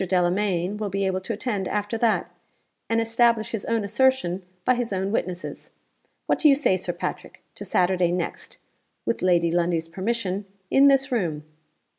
Delamayn will be able to attend after that, and establish his own assertion by his own witnesses. What do you say, Sir Patrick, to Saturday next (with Lady Lundie's permission) in this room?